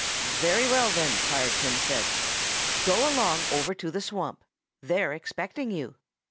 "Very well, then!" Tired Tim said. "Go along over to the swamp. They're expecting you."